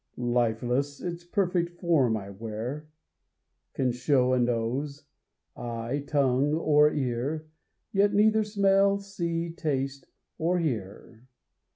Lifeless, life's perfect form I wear, Can show a nose, eye, tongue, or ear, Yet neither smell, see, taste, or hear.